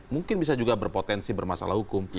mungkin bisa juga berpotensi bermasalah hukum